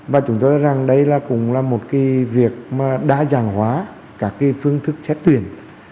và chúng tôi rằng đây cũng là một cái việc mà đa dạng hóa các cái phương thức xét tuyển